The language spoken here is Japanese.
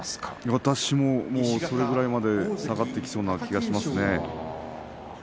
私も３敗、４敗まで下がってきそうな気がしますね。